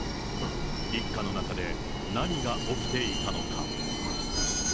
一家の中で何が起きていたのか。